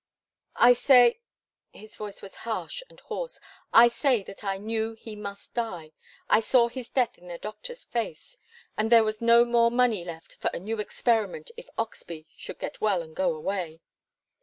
I say" his voice was harsh and hoarse "I say that I knew he must die. I saw his death in the doctor's face. And there was no more money left for a new experiment if Oxbye should get well and go away.